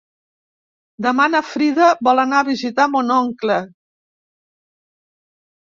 Demà na Frida vol anar a visitar mon oncle.